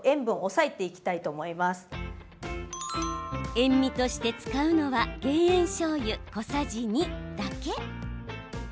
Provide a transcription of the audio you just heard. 塩みとして使うのは減塩しょうゆ、小さじ２だけ。